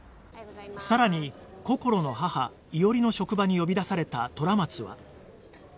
さらにこころの母伊織の職場に呼び出された虎松は